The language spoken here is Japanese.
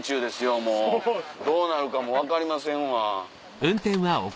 もうどうなるかもう分かりませんわ。